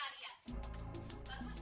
sampai jumpa lagi